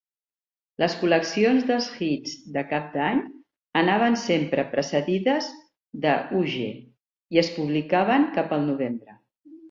Les col·leccions dels "Hits" de Cap d'Any anaven sempre precedides de "Huge" i es publicaven cap al novembre.